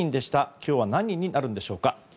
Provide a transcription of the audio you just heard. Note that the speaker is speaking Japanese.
今日は何人になるんでしょうか。